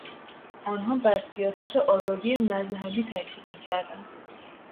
آنها بر سیاست آزادی مذهبی تاکید میکردند.